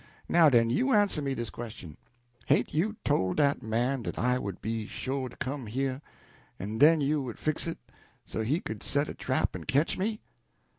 Now, den, you answer me dis question: hain't you tole dat man dat I would be sho' to come here, en den you would fix it so he could set a trap en ketch me?"